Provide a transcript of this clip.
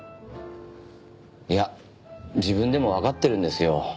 いや自分でもわかってるんですよ